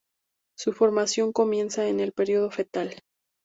Su formación comienza en el periodo fetal.